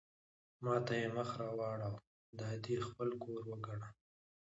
ما ته یې مخ را واړاوه: دا دې خپل کور وګڼه.